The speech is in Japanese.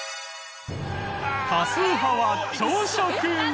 多数派は朝食後！